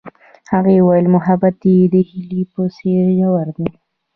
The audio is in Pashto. هغې وویل محبت یې د هیلې په څېر ژور دی.